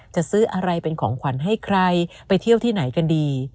จะซื้ออะไรเป็นของขวัญให้ใครไปเที่ยวที่ไหนกันดี